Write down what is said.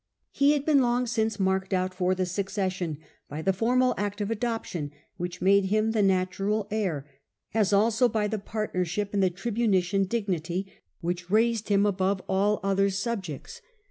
He had been long since marked out for the succession by the formal act of adop tion, which made him the natural heir, as also by the partnership in the tribunician dignity, which raised him above all the other subjects.